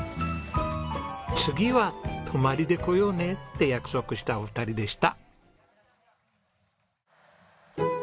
次は泊まりで来ようねって約束したお二人でした。